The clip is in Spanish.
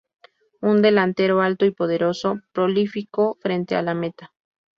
Un delantero alto y poderoso, prolífico frente a la meta.